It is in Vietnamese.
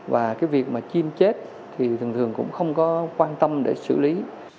và cái việc mà chim chết thì thường thường cũng không có quan tâm để xử lý